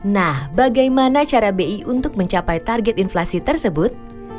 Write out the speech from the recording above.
nah bagaimana cara bi untuk mencapai target inflasi tersebut